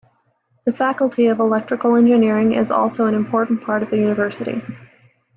The Faculty of Electrical Engineering is also an important part of the University.